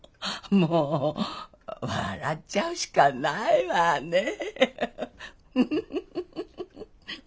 もう笑っちゃうしかないわねえ。